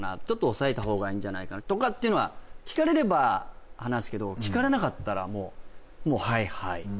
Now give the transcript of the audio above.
「ちょっと抑えた方がいいんじゃないかな」とかっていうのは聞かれれば話すけど聞かれなかったらもうもう「はいはい」